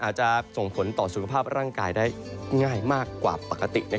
อาจจะส่งผลต่อสุขภาพร่างกายได้ง่ายมากกว่าปกติ